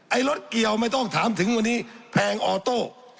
รถเกี่ยวไม่ต้องถามถึงวันนี้แพงออโต้